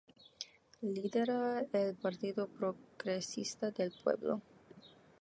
Lidera el Partido Progresista del Pueblo.